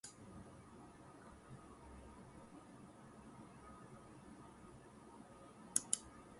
Furthermore, advanced technology has revolutionized various industries, including healthcare, education, and transportation.